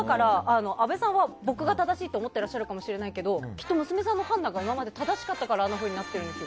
阿部さんは僕が正しいと思っていらっしゃるかもしれないですけどきっと娘さんの判断が今まで正しかったからあんなふうになってるんです。